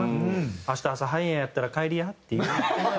「明日朝早いんやったら帰りや」って言う。